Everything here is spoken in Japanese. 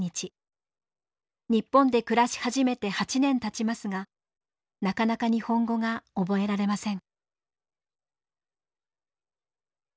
日本で暮らし始めて８年たちますがなかなか日本語が覚えられません。